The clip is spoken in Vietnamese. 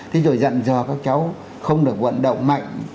thì rồi dặn do các cháu không được vận động mạnh